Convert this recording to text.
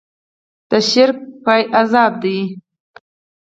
د شرک پای عذاب دی.